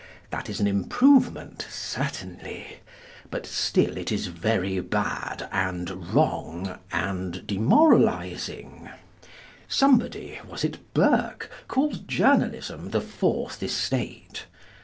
That is an improvement certainly. But still it is very bad, and wrong, and demoralising. Somebody—was it Burke?—called journalism the fourth estate.